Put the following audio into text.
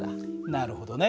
なるほどね。